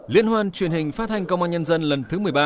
liên hoan truyền hình phát thanh công an nhân dân lần thứ một mươi ba